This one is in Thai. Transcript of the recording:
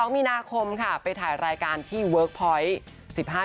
มีนาคมค่ะไปถ่ายรายการที่เวิร์คพอยต์๑๕